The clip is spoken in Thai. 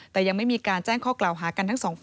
แต่ยังไม่มีการแจ้งข้อกล่าวหากันทั้งสองฝ่าย